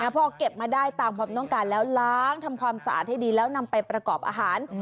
พอเก็บมาได้ตามความต้องการแล้วล้างทำความสะอาดให้ดีแล้วนำไปประกอบอาหาร